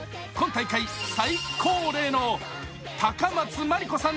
大会最高齢の高松眞里子さん